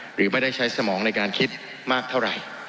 หรือไม่ได้ใช้สมองในการคิดมากเท่าไหร่